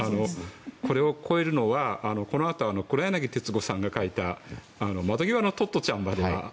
これを超えるのはこのあと、黒柳徹子さんが書いた「窓際のトットちゃん！」